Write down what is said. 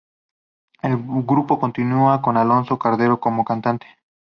El grupo continúa con Alonso Cordero como cantante.